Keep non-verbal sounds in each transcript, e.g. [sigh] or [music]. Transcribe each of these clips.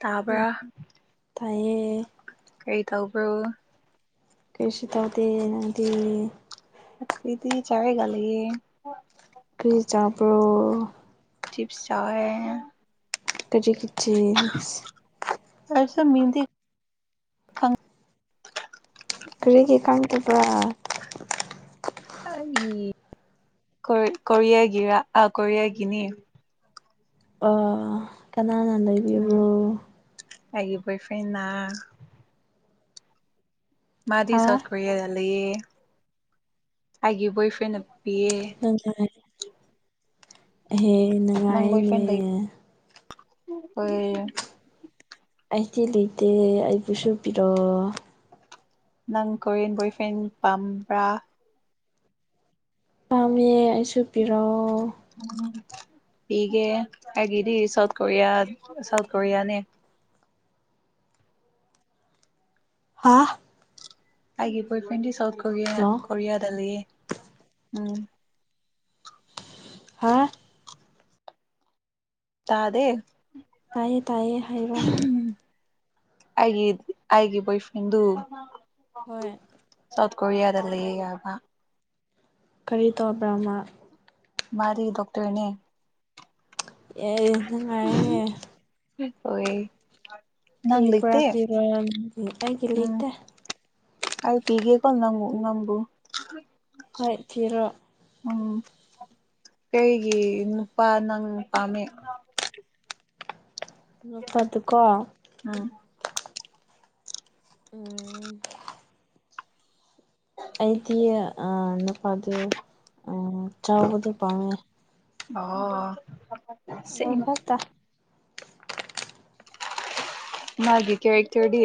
ꯇꯥꯕ꯭ꯔꯥ ꯐꯩꯌꯦ ꯀꯔꯤ ꯇꯧꯕ꯭ꯔꯣ ꯀꯔꯤꯁꯨ ꯇꯧꯗ‌ꯦ ꯅꯪꯗꯤ ꯑꯈ‌ꯣꯏꯗꯤ ꯆꯥꯔꯒ ꯂꯩꯌ‌ꯦ ꯀꯔꯤ ꯆꯥꯕ꯭ꯔꯣ ꯆꯤꯞꯁ ꯆꯥꯎꯋꯦ ꯀꯔꯤꯒꯤ ꯆꯤꯞꯁ ꯑꯁꯨ ꯃꯤꯡꯗꯤ ꯈꯪ ꯀꯔꯤꯒꯤ ꯀꯥꯡꯗꯕ꯭ꯔ ꯑꯩ ꯀ‌ꯣ ꯀꯣꯔꯤꯌꯥꯒꯤꯔꯥ ꯑ ꯀꯣꯔꯤꯌꯥꯒꯤꯅ‌ꯦ ꯑ ꯀꯅꯥꯅ ꯎꯝ ꯂꯩꯕꯤꯕ꯭ꯔꯣ ꯑꯩꯒꯤ ꯕꯣꯏ ꯐ꯭ꯔꯦꯟꯅꯥ ꯃꯥꯗꯤ ꯍꯥ ꯁꯥꯎꯠ ꯀꯣꯔꯤꯌꯥꯗ ꯂꯩꯌꯦ ꯑꯩꯒꯤ ꯕꯣꯏꯐ꯭ꯔꯦꯟꯅ ꯄꯤꯌꯦ [unintelligible] ꯑꯦꯍ‌ꯦ ꯅꯪ ꯅꯨꯡꯉꯥꯏꯅ‌ꯦꯌ ꯈꯣꯏ [unintelligible] ꯑꯩꯗꯤ ꯂꯩꯇꯦ ꯑꯩꯕꯨꯁꯨ ꯄꯤꯔ‌ꯣ ꯅꯪ ꯀꯣꯔꯤꯌꯟ ꯕꯣꯏ ꯐ꯭ꯔꯦꯟ ꯄꯥꯝꯕ꯭ꯔꯥ ꯄꯥꯝꯃꯦ ꯑꯩꯁꯨ ꯄꯤꯔ‌ꯣ ꯎ ꯄꯤꯒꯦ ꯑꯩꯒꯤꯗꯤ ꯁꯥꯎꯠ ꯀꯣꯔꯤꯌꯥ ꯁꯥꯎꯠ ꯀꯣꯔꯤꯌꯥꯅꯦ ꯍꯥ ꯑꯩꯒꯤ ꯕꯣꯏ ꯐ꯭ꯔꯦꯟꯗꯤ ꯁꯥꯎꯠ ꯀꯣꯔꯤꯌꯥ ꯍꯜꯂꯣ ꯀꯣꯔꯤꯌꯥꯗ ꯂꯩꯌ‌ꯦ ꯎꯝ ꯍꯥ ꯇꯥꯗꯦ ꯇꯥꯏꯌꯦ ꯇꯥꯏꯌꯦ ꯍꯥꯏꯔꯣ ꯑꯩꯒꯤ ꯑꯩꯒꯤ ꯕꯣꯏ ꯐ꯭ꯔꯦꯟꯗꯨ ꯍꯣꯏ ꯁꯥꯎꯠ ꯀꯣꯔꯤꯌꯥ ꯂꯩꯌ‌ꯦꯑꯥꯕ ꯀꯔꯤ ꯇꯧꯕ꯭ꯔ ꯃꯥ ꯃꯥꯗꯤ ꯗꯣꯛꯇꯔꯅꯦ ꯑꯦꯏ ꯅꯪ ꯍꯣꯏ ꯀꯔꯤ ꯄꯨꯔꯛꯇꯨꯏꯔ‌ꯣ ꯅꯪ ꯑꯩꯒꯤ ꯂꯩꯇ‌ꯦ ꯑꯩꯥ ꯄꯤꯒꯦꯀꯣ ꯅꯪꯉꯨ ꯅꯪꯕꯨꯨ ꯍꯣꯏ ꯊꯤꯔꯣ ꯎꯝ ꯀꯩꯒꯤ ꯅꯨꯄꯥ ꯅꯪ ꯄꯥꯝꯃꯦ ꯅꯨꯄꯥꯗꯨꯀꯣ ꯎꯝ ꯎꯝ ꯑꯩꯗꯤ ꯑꯥ ꯅꯨꯄꯥꯗꯨ ꯑꯥ ꯆꯥꯎꯕꯗꯣ ꯄꯥꯝꯃꯦ ꯑꯣ ꯑꯃ ꯁꯦꯡ ꯐꯠꯇ ꯃꯥꯒꯤ ꯀꯦꯔꯦꯛꯇꯔ ꯗꯤ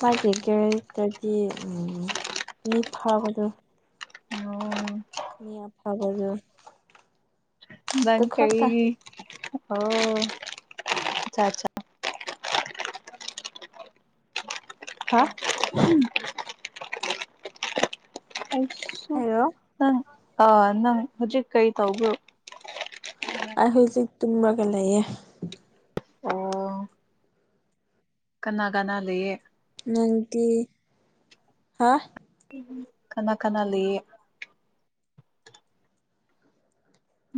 ꯃꯥꯒꯤ ꯀꯦꯔꯦꯛꯇꯗꯤ ꯃꯤ ꯐꯥꯕꯗꯣ ꯎꯝ ꯃꯤ ꯑ ꯐꯕꯖ ꯈꯛꯇ [unintelligible] ꯍꯥ ꯎꯝ [unintelligible] ꯑꯩꯁꯨ ꯍꯥꯏꯔꯣ ꯅꯪ ꯑ ꯅꯪ ꯍꯧꯖꯤꯛ ꯀꯔꯤ ꯇꯧꯕ꯭ꯔꯣ ꯑꯩ ꯍꯧꯖꯤꯛ ꯇꯨꯝꯔꯒ ꯂꯩꯥꯌꯦ ꯑꯣ ꯀꯅꯥ ꯀꯅꯥ ꯂꯩꯌꯦ꯫ ꯅꯪꯗꯤ ꯍꯥ ꯀꯅꯥ ꯀꯅꯥ ꯂꯩꯌꯦ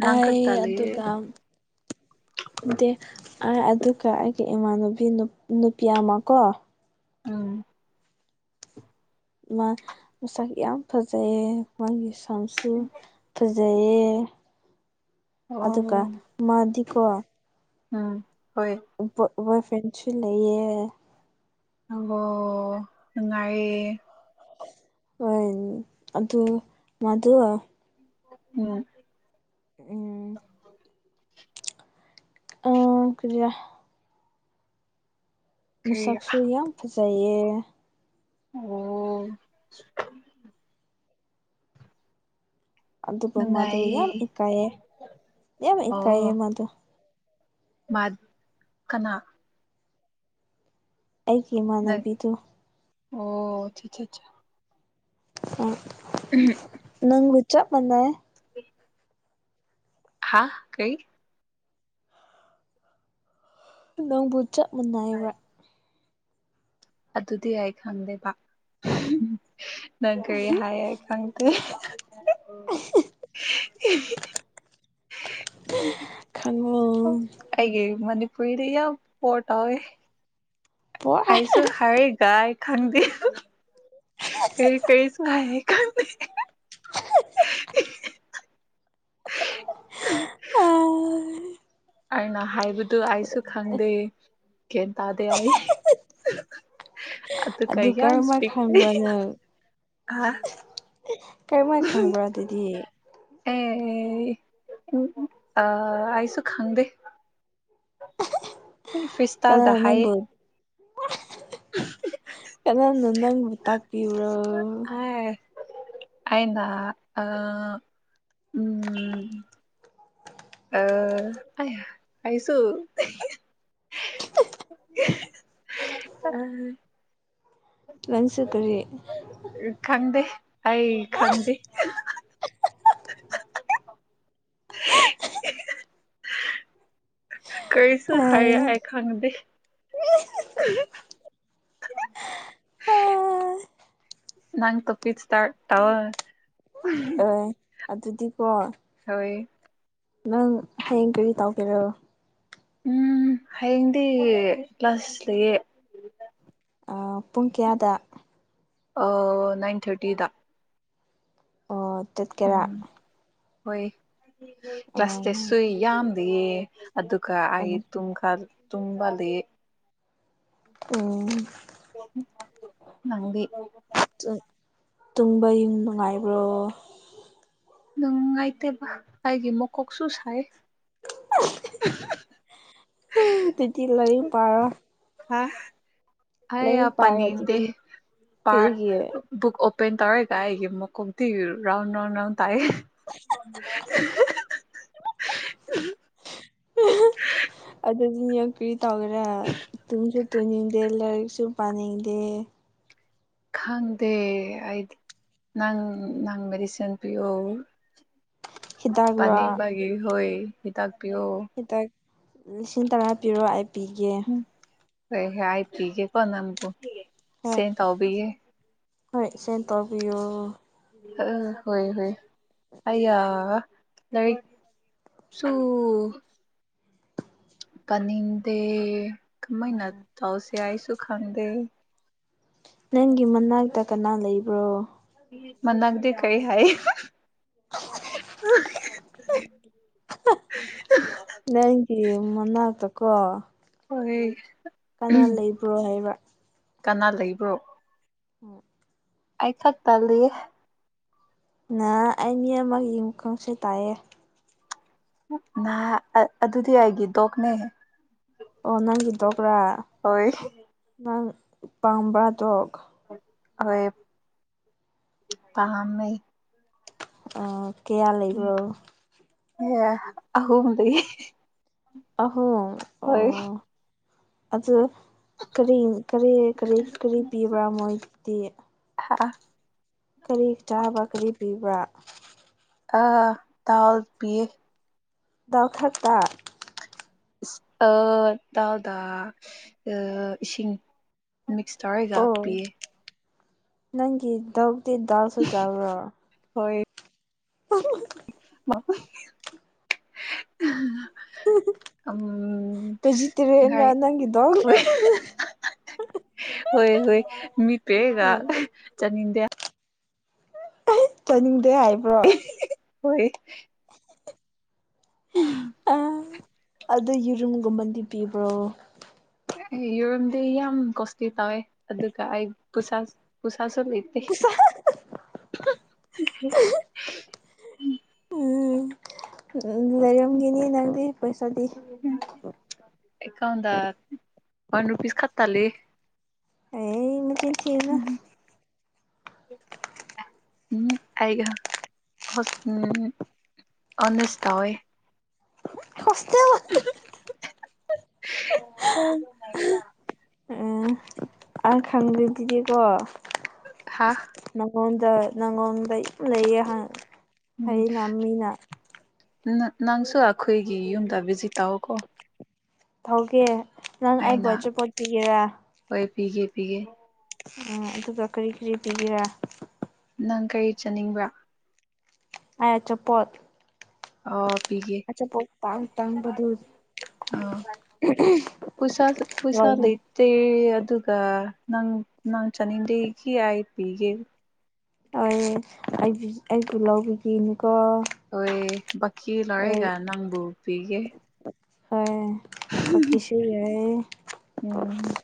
ꯅꯪ ꯑꯩ ꯈꯛꯇ ꯂꯩꯌꯦ ꯑꯗꯨꯒ ꯎꯗꯦ ꯑꯗꯨꯒ ꯑꯩꯒꯤ ꯏꯃꯥꯟꯅꯨꯕꯤ ꯅꯨꯞ ꯅꯨꯄꯤ ꯑꯃ ꯀꯣ ꯎꯝ ꯃꯥ ꯃꯁꯛ ꯌꯥꯝ ꯐꯖꯩꯌꯦ ꯃꯥꯒꯤ ꯁꯝꯁꯨ ꯐ꯫ ꯐꯖꯩꯌꯦ ꯑꯗꯨꯒ ꯑꯣ ꯃꯥꯗꯤꯀꯣ ꯎꯝ ꯍꯣꯏ ꯕꯣꯏ ꯕꯣꯏ ꯐ꯭ꯔꯦꯟꯁꯨ ꯂꯩꯌꯦ꯫ ꯑꯪꯒꯣ ꯅꯨꯡꯉꯥꯏꯌꯦ꯫ ꯑꯣꯏ ꯑꯗꯨ ꯃꯗꯨ꯫ ꯎꯝ꯫ ꯎꯝ꯫ ꯑꯪ ꯀꯨꯖꯤꯔꯥ꯫ ꯀꯔꯤ ꯃꯁꯛꯁꯨ ꯌꯥꯝ ꯐꯖꯩꯌꯦ꯫ ꯑꯣ꯫ ꯑꯗꯨꯒ ꯃꯗꯨ ꯌꯥꯝ ꯅꯨꯡꯉꯥꯏꯌꯦ ꯏꯀꯥꯏꯌꯦ ꯌꯥꯝ ꯏꯀꯥꯏꯌꯦ ꯃꯗꯨ꯫ ꯃꯠ ꯀꯅꯥ꯫ ꯑꯩꯒꯤ ꯅꯪ ꯏꯃꯥꯟꯅꯕꯤꯗꯣ꯫ ꯑꯣ 'unintelligible'꯫ ꯑꯝ ꯅꯪꯒ ꯆꯞ ꯃꯅꯩꯌꯦ꯫ 'unintelligible' ꯍꯥꯥ ꯀꯩ꯫ ꯅꯪꯕꯨ ꯆꯞ ꯃꯥꯟꯅꯏꯕ ꯑꯗꯨꯗꯤ ꯑꯩ ꯈꯪꯗꯦꯕ ꯅꯪ ꯀꯔꯤ ꯍꯥꯏ ꯑꯩ ꯈꯪꯗꯦ꯫ 'unintelligible' ꯈꯪꯉꯣ꯫ ꯑꯩꯒꯤ ꯃꯅꯤꯄꯨꯔꯤꯗꯤ ꯌꯥꯝ ꯄꯣꯔ ꯇꯧꯋꯦ꯫ ꯄꯣ ꯑꯩꯁꯨ ꯍꯥꯏꯔꯤꯒꯥꯏ ꯈꯪꯗꯤ꯫ ꯀꯔꯤ ꯀꯔꯤꯁꯨ ꯍꯥꯏ ꯈꯪꯗꯦ꯫ 'unintelligible' ꯑꯩꯅ ꯍꯥꯏꯕꯗꯨ ꯑꯩꯁꯨ ꯈꯪꯗꯦ ꯀꯦꯟ ꯇꯥꯗꯦ ꯑꯩ꯫ ꯑꯗꯨꯒ ꯑꯗꯨ ꯌꯥꯝ ꯀꯔꯝꯃꯥꯏ ꯈꯪꯕ꯭ꯔꯥ 'unintelligible' ꯑ꯫ ꯀꯔꯤꯃꯥꯏ ꯈꯪꯕ꯭ꯔ ꯑꯗꯨꯗꯤ꯫ ꯑꯦ ꯑ ꯑꯩꯁꯨ ꯈꯪꯗꯦ꯫ ꯐꯤꯁꯇꯥꯗ ꯀꯅꯥꯅ ꯍꯥꯏꯌꯦ꯫ ꯅꯪꯕꯨ ꯀꯅꯥꯅ ꯅꯪꯕꯨ ꯇꯥꯛꯄꯤꯕ꯭ꯔꯣ꯫ ꯑꯥꯏ꯫ ꯑꯩꯅ ꯑ ꯎꯝ꯫ ꯑ ꯑꯩ ꯑꯩꯁꯨ [unintelligible] ꯅꯪꯁꯨ ꯀꯔꯤ ꯈꯪꯗꯦ ꯑꯩ ꯈꯪꯗꯦ ꯀꯔꯤꯁꯨ ꯑꯣꯏ ꯍꯥꯏꯔꯑꯏ ꯈꯪꯗꯦ [unintelligible] ꯅꯪ ꯇꯣꯄꯤꯛꯁꯇꯔ ꯇꯧ ꯑꯗꯨꯗꯤꯀꯣ꯫ ꯍꯣꯏ ꯅꯪ ꯍꯌꯦꯡ ꯀꯔꯤ ꯇꯥꯎꯒꯦꯔꯣ ꯎꯝ ꯍꯌꯦꯡꯗꯤ ꯀ꯭ꯂꯥꯁ ꯂꯩꯌꯦ ꯄꯨꯡ ꯀꯌꯥꯗ ꯑꯣ ꯅꯥꯏꯟ ꯊꯥꯔꯇꯤꯗ ꯑꯣ ꯆꯠꯀꯦꯔꯥ꯫ ꯎꯝ ꯍꯣꯏ ꯀ꯭ꯂꯥꯁ ꯇꯦꯁꯁꯨ ꯌꯥꯝꯗꯤꯌꯦ ꯑꯗꯨꯒ ꯑꯩ ꯇꯨꯝꯈꯜ ꯇꯨꯝꯋꯂꯤꯌꯦ ꯎꯝ ꯅꯪꯗꯤ ꯇꯨꯝꯕ ꯌꯨꯡ ꯅꯨꯡꯉꯥꯏꯕ꯭ꯔꯣ ꯅꯨꯡꯉꯥꯏꯇꯦꯕ ꯑꯩꯥꯒꯤ ꯃꯀꯣꯛꯁꯨ ꯁꯥꯏ [unintelligible] ꯄꯔꫭ ꯑ ꯑꯩ ꯄꯥꯔꯣ ꯄꯅꯤꯗꯦ ꯑꯗꯨꯗꯤ ꯄ ꯀꯔꯤꯒꯤ ꯕꯨꯛ ꯑꯣꯄꯟ ꯇꯧꯔꯦꯒ ꯑꯩ ꯃꯀꫭꯛꯇꯤ ꯔꯥꯎꯟ ꯔꯥꯎꯟ ꯔꯥꯎꯟ ꯇꯥꯏ [inaudible] [inaudible] ꯑꯗꯨꯗꯤ ꯌꯣꯛꯀ꯭ꯔꯤ ꯇꯧꯒꯔ ꯇꯨꯡꯁꯨ ꯇꯨꯅꯤꯡꯗꯦ ꯂꯥꯏꯔꯤꯛꯁꯨ ꯄꯥꯅꯤꯡꯗꯦ ꯈꯪꯗꯦ ꯑꯩꯗꯤ ꯅꯪ ꯅꯪ ꯃꯦꯗꯤꯁꯤꯟ ꯄꯤꯌꯣ ꯍꯤꯗꯥꯛꯔꯣ ꯄꯅꯤꯕꯒꯤ ꯍꫭꯏ ꯇꯥꯛ ꯄꯤꯌꯣ ꯍꯇꯛ ꯂꯤꯁꯤꯡ ꯇꯔꯥ ꯄꯤꯔꯣ ꯑꯩꯥꯏ ꯄꯤꯒꯦ ꯍꯦ ꯍꯥꯏ ꯄꯤꯒꯦ ꯀꯅꯕꯨ ꯍꯣꯏ ꯁꯦꯟꯠ ꯇꯧꯕꯤꯒꯦ ꯍꯣꯏ ꯁꯦꯟꯌ ꯇꯧꯕꯤꯌꯣ ꯑ ꯍꯣꯏ ꯍꯣꯏ ꯑꯌꯥ ꯂꯔꯤꯛ ꯁꯣ ꯄꯥꯅꯤꯡꯗꯦ ꯀꯃꯥꯏꯅ ꯇꯧꯁꯦ ꯑꯩꯁꯨ ꯈꯪꯗꯦ ꯅꯪꯒꯤ ꯃꯅꯥꯛꯇ ꯀꯅꯥ ꯂꯩꯕ꯭ꯔꯣ ꯃꯅꯥ ꯑꯒꯗꯤ ꯀꯩ ꯍꯥꯏ [unintelligible] ꯅꯦꯡꯒꯤ ꯃꯅꯥ ꯇ ꯀꯣ ꯍꯣꯏ ꯀꯅꯥ ꯎꯝ ꯂꯩꯕ꯭ꯔꯣ ꯍꯥꯏꯕ ꯀꯅꯥ ꯂꯩꯕ꯭ꯔꯣ [inaudible] ꯑꯥꯏ ꯈ ꯇꯜꯂꯤ ꯅ ꯑꯩ ꯃꯤ ꯑꯃꯒꯤ ꯃꯥꯈꯪꯁꯦ ꯇꯥꯏꯑ ꯅꯍꯥ ꯑꯗꯨꯗꯤ ꯑꯩꯒꯤ ꯗꯣꯛꯅꯦꯍ ꯑꯣ ꯅꯪꯒꯤ ꯇꯣꯈ꯭ꯔꯥ ꯍꯣꯏ ꯅꯪ ꯄꯥꯝꯕ꯭ꯔꯗꯣ ꯑꯣꯏ ꯇꯥꯟꯃꯦ ꯀꯌꯥ ꯂꯩꯕ꯭ꯔꯣ ꯑꯦ ꯑꯍꯨꯝꯗ ꯑꯍꯣ ꯍꯣꯏ ꯑꯗꯨꯗ ꯀꯔꯤ ꯀꯔꯤ ꯀꯔꯤ ꯀꯔꯤ ꯄꯤꯕ꯭ꯔꯥ ꯃꯣꯏꯗꯤ ꯀꯔꯤ ꯆꯥꯕ ꯀꯔꯤ ꯄꯤꯕ꯭ꯔ ꯑ ꯇꯥꯜ ꯄꯈ [unintelligible] ꯇꯎꯗꯥ ꯏꯁꯤꯡ ꯃꯤꯛꯁ ꯇꯧꯔꯒ ꯑꯣ ꯄꯤꯌꯦ ꯅꯪꯒꯤ ꯗꯧꯗꯤ ꯗꯥꯜꯁꯨ ꯆꯥꯕ꯭ꯔ ꯍꯣꯏ [unintelligible] [unintelligible] [unintelligible] ꯚꯦꯖꯤꯇꯦꯔꯤꯌꯟꯔ ꯅꯪꯒꯤ ꯗꯣꯛ ꯍꯣꯏ ꯍꯣꯏ ꯃꯤ ꯄꯦꯒ ꯎꯝ ꯆꯅꯤꯗꯦ ꯆꯥꯅꯤꯡꯗꯦ ꯍꯥꯏꯕ꯭ꯔꯣ ꯍꯣꯏ ꯎꯝ ꯑ ꯑꯗꯨ ꯌꯦꯔꯨꯝꯒꯨꯝꯕꯗꯤ ꯄꯤꯕ꯭ꯔꯣ ꯑꯦ ꯌꯔꯣꯝꯗꯤ ꯌꯥꯝ ꯀꯣꯁꯂꯤ ꯇꯧꯋꯦ ꯑꯗꯨꯒ ꯑꯩꯁ ꯄꯨꯁꯥꯁꯨꯂ [unintelligible] ꯎꯝ ꯎ ꯂꯩꯔꯝꯒꯤꯅꯤꯅꯤ ꯅꯪꯗꯤ ꯄꯩꯁꯥꯗꯤ ꯑꯦꯀꯥꯎꯗ ꯋꯥꯟ ꯔꯨꯄꯤꯁ ꯈꯠꯇꯥ ꯂꯩꯌꯦ ꯑꯦ ꯃꯆꯤꯟ ꯊꯤꯒꯅꯨ ꯎꯝ [unintelligible] ꯎꯝ ꯑꯩꯒ ꯍ ꯎꯝ ꯑꯣꯟꯅꯁ ꯇꯩꯋꯦ ꯁꯁꯇꯦꯜ [unintelligible] ꯎꯝ ꯑꯪ ꯈꯪꯗꯦ ꯑꯗꯨꯗꯤꯀꯣ ꯍꯥꯥ ꯅꯪꯉꯣꯟꯗ ꯅꯪꯉꯣꯟꯗ ꯂꯩꯌꯦ ꯎꯝ ꯍꯩꯅ ꯃꯤꯅ ꯅꯪꯁꯨ ꯑꯩꯈꯣꯏꯒꯤ ꯌꯨꯝꯗ ꯚꯤꯖꯤꯠ ꯇꯧꯑꯣꯀꯣ ꯊꯧꯒꯦ ꯅꯪ ꯑꯩꯕꯨ ꯑꯩꯅ ꯑꯆꯔꯤꯄꯣꯠ ꯄꯤꯒꯦꯔ ꯍꯣꯏ ꯄꯤꯒꯦ ꯄꯤꯒꯦ ꯎꯝ ꯑꯗꯨꯒ ꯀꯔꯤ ꯀꯔꯤ ꯄꯤꯕꯤꯔꯥ ꯅꯪ ꯀꯔꯤ ꯆꯠꯅꯤꯡꯕ꯭ꯔꯥ ꯑꯌꯥꯆ ꯄꯣꯠ ꯑꯣ ꯄꯤꯒꯦ ꯑꯆꯥ ꯄꯣ ꯇꯥꯡ ꯇꯥꯡꯕꯗꯨ ꯑ ꯄꯨꯁꯥ ꯄꯨꯁꯥ ꯍꯣꯏ ꯂꯩ ꯗꯦ ꯑꯗꯨꯒ ꯅꯪ ꯅꯪ ꯆꯥꯅꯤꯡꯗꯦꯒꯤ ꯑꯥꯏ ꯄꯤꯒꯦ ꯍ ꯑꯩ ꯑꯩ ꯄꯨ ꯂꯧꯕꯒꯤꯅꯤꯀꯣ ꯍꯣꯏ ꯕꯀꯤ ꯂꯔꯩꯒ ꯅꯪꯕꯨ ꯄꯤꯒꯦ ꯍꯣꯏ ꯄ ꯁꯤ ꯍꯥꯏ ꯎꯝ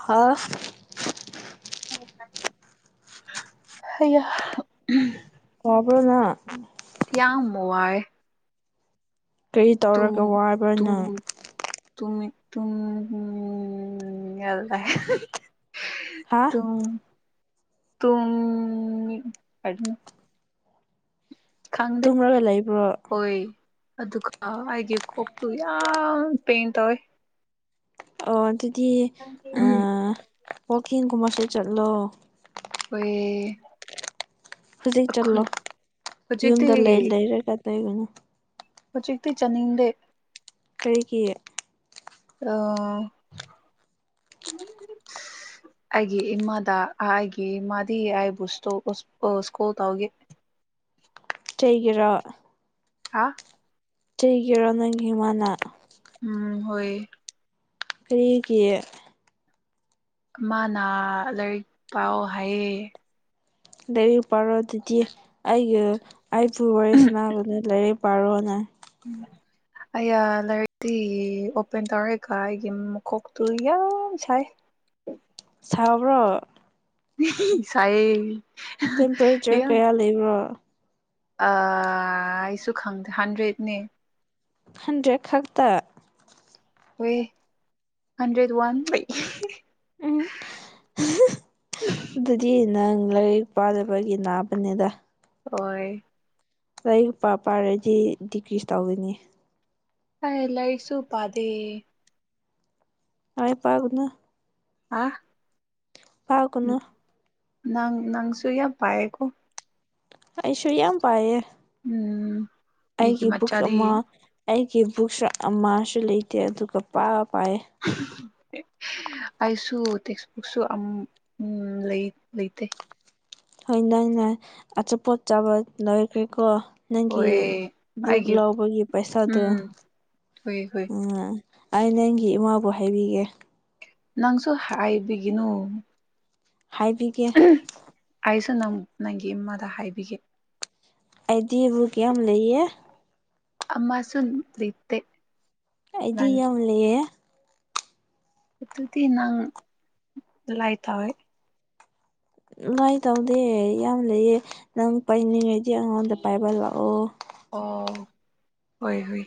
ꯍꯥ ꯍ [unintelligible] ꯇꯥꯕ꯭ꯔꯣ ꯅꯪ ꯌꯥꯝ ꯋꯥꯏ ꯀꯔꯤ ꯇꯨ ꯇꯧꯔꯒ ꯇꯨꯝ ꯋꯥꯕꯅꯣ [unintelligible] ꯍꯥ [unintelligible] ꯈꯪꯗꯦ ꯇꯨꯝꯔꯒ ꯂꯩꯕ꯭ꯔꯣ ꯍꯣꯏ ꯑꯗꯨꯒ ꯑꯩꯒꯤ ꯀꯣꯛꯇꯨ ꯌꯥꯝ ꯄꯦꯟ ꯇꯧꯋꯦ ꯑꯣ ꯑꯗꯨꯗꯤ ꯎꯝ ꯋꯥꯛꯀꯤꯡꯒꯨꯝꯕꯁꯨ ꯆꯠꯂꯣ ꯍꯣꯏ ꯍꯧꯖꯤꯛ ꯆꯠꯂꯣ ꯑꯩꯈꯣꯏ ꯍꯧꯖꯤꯛꯇꯤ ꯌꯨꯝꯗ ꯂꯩ ꯂꯩꯔꯒ ꯇꯧꯒꯅꯣ ꯍꯧꯖꯤꯛꯇꯤ ꯆꯥꯅꯤꯡꯗꯦ ꯀꯔꯤꯒꯤ ꯑ ꯑꯩꯒꯤ ꯏꯃꯥꯗ ꯑꯩꯒꯤ ꯏꯃꯥꯗꯤ ꯑꯩꯕꯨ ꯁꯇꯣ ꯁ꯭ꯀꯨꯜ ꯇꯥꯎꯒꯦ ꯆꯩꯒꯔ ꯍꯥ ꯆꯩꯒꯤꯔꯣ ꯅꯪꯒꯤꯃꯅꯥ ꯎꯝ ꯍꯣꯏ ꯀꯔꯤꯒꯤ ꯃꯥꯅ ꯂꯥꯏꯔꯤꯛ ꯄꯥꯎ ꯍꯥꯏꯌꯦ ꯂꯥꯏꯔꯤꯛ ꯄꯥꯔꯣ ꯑꯗꯨꯗꯤ ꯑꯩꯒꯤ ꯑꯩꯕꯨ ꯋꯥꯔꯤ ꯁꯅꯥꯗꯨꯅ ꯂꯥꯏꯔꯤꯛ ꯄꯥꯔꯣꯅ ꯎꯝ ꯑꯌꯥ ꯂꯥꯏꯔꯤꯛꯇꯤ ꯑꯣꯄꯦꯟ ꯇꯧꯔꯦꯀ ꯑꯩꯒꯤ ꯀꯣꯛꯇꯨ ꯌꯥꯝ ꯁꯥꯏ ꯁꯕ꯭ꯔꯣ ꯁꯥꯏꯌꯦ ꯇꯦꯝꯄꯔꯦꯆꯔ ꯌꯥꯝ ꯀꯌꯥ ꯂꯩꯕ꯭ꯔꯣ ꯑꯩꯁꯨ ꯈꯪꯗꯦ ꯍꯟꯗ꯭ꯔꯦꯗꯅꯦ ꯍꯟꯗꯦ ꯈꯛꯇ ꯍ ꯍꯟꯗ꯭ꯔꯦꯠ ꯋꯥꯟ [inaudible] ꯎꯝ [inaudible] ꯑꯗꯨꯗꯤ ꯅꯪ ꯂꯥꯏꯔꯤꯛ ꯄꯥꯅꯕꯒꯤ ꯅꯥꯕꯅꯤꯗ ꯍꯣꯏ ꯂꯔꯤꯛ ꯂꯄꯥ ꯄꯥꯏꯔꯗꯤ ꯗꯤꯀ꯭ꯔꯤꯁ ꯇꯧꯗꯣꯏꯅꯤ ꯑ ꯂꯥꯏꯛꯁꯨ ꯄꯗꯦ ꯇꯥꯏ ꯄꯒꯅ ꯑ ꯄꯥꯀꯅꯨ ꯅ ꯅꯅꯥꯪꯁꯨꯨ ꯌꯥ ꯄꯀ ꯑꯩꯁꯨ ꯌꯥꯝ ꯄꯥꯏꯑꯌꯦ ꯎꯝ ꯃꯤꯒꯤ ꯑꯩꯒꯤ ꯕꯨꯛꯁ ꯃꯆꯥꯗꯤ ꯑꯃ ꯑꯩꯒꯤ ꯕꯨꯛꯁ ꯑꯃꯁꯨ ꯂꯩꯇꯦ ꯑꯗꯨꯒ ꯄꯥꯕ ꯄꯥꯏꯌꯦ [inaudible] ꯑꯩꯁꯨ ꯇꯦꯛꯁꯕꯨꯛꯁꯨ ꯎ ꯂꯩ ꯂꯩꯇꯦ ꯍꯣꯏ ꯅꯪꯅ ꯑꯆꯥꯄꯣꯠ ꯆꯥꯕ ꯂꯣꯏꯈ꯭ꯔꯦꯀꯣ ꯅꯪꯒꯤ ꯍꯣꯏ ꯕꯨꯛ ꯑꯩꯒꯤ ꯂꯥꯎꯕꯒꯤ ꯄꯩꯁꯥꯗꯨꯣ ꯎꯝ ꯍꯣꯏ ꯍꯣꯏ ꯑꯩꯅ ꯑꯩꯪꯒꯤ ꯏꯃꯥꯕꯨ ꯍꯥꯏꯕꯤꯒꯦ ꯅꯪꯁꯨ ꯍꯥꯏꯕꯤꯒꯤꯅꯨ ꯍꯥꯏꯕꯤꯒꯦ ꯑꯩꯁꯨ ꯅꯪ ꯅꯪꯒꯤ ꯏꯃꯥꯗ ꯍꯥꯏꯕꯤꯒꯦ ꯑꯩꯗꯤꯕꯨ ꯀ ꯌꯥꯝ ꯂꯩꯌꯦ ꯑꯃꯁꯨ ꯂꯤꯠꯇꯦ ꯑꯩꯗꯤ ꯌꯥꯝ ꯂꯩꯌꯦ ꯑꯗꯨ ꯑꯗꯨꯗꯤ ꯅꯪ ꯂꯥꯏ ꯇꯋꯦ ꯅꯨꯡꯉꯥꯏ ꯇꯧꯗꯦ ꯌꯥꯝ ꯂꯩꯑ ꯅꯪ ꯄꯥꯏꯅꯤꯡꯉꯩꯗꯤ ꯑꯉꯥꯡꯗ ꯄꯥꯏꯕ ꯂꯥꯛꯑꯣ ꯑꯣ ꯍꯣꯏ ꯍꯣꯏ